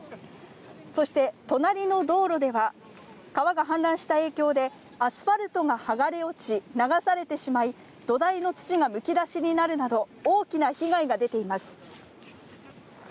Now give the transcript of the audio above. そして隣の道路では、川が氾濫した影響で、アスファルトが剥がれ落ち、流されてしまい、土台の土がむき出しになるなど、大きな被害が出ています。